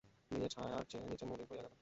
নিজের ছায়ার চেয়ে নিজে মলিন হইয়া গেলেন।